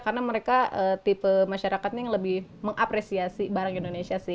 karena mereka tipe masyarakatnya yang lebih mengapresiasi barang indonesia sih